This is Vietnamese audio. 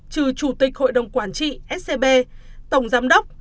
trừ chủ tịch hội đồng quản trị scb tổng giám đốc